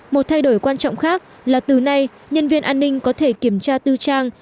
một thay đổi quan trọng khác là từ nay nhân viên an ninh có thể kiểm tra tư trang